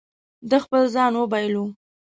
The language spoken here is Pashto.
ده خپل ځان وبایلو.